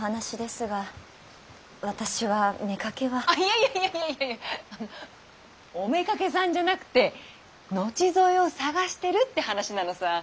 いやいやいやいやお妾さんじゃなくて後添えを探してるって話なのさ。